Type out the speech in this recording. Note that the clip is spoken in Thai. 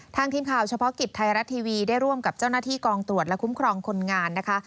ทีมข่าวเฉพาะกิจไทยรัฐทีวีได้ร่วมกับเจ้าหน้าที่กองตรวจและคุ้มครองคนงานนะคะ